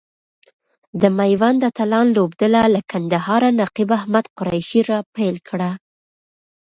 د ميوند اتلان لوبډله له کندهاره نقیب احمد قریشي را پیل کړه.